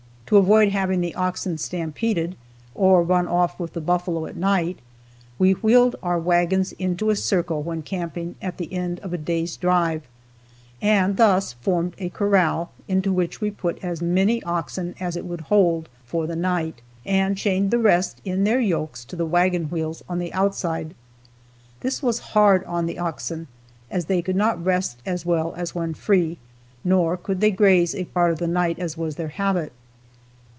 To avoid having the oxen stampeded, or run off with the buffalo at night, we wheeled our wagons into a circle when camping at the end of a day's drive, and thus formed a corral, into which we put as many oxen as it would hold, for the night, and chained the rest in their yokes to the wagon wheels on the outside. This was hard on the oxen, as they could not rest as well as when free, nor could they graze a part of the night, as was their habit.